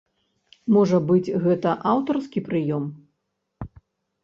Можа быць, гэта аўтарскі прыём?